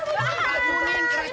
kotak bukas himir